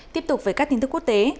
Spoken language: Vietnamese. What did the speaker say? tiếp tục với các tin tức quốc tế